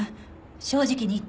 正直に言って。